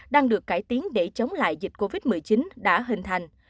đang được cải tiến để chống lại dịch covid một mươi chín đã hình thành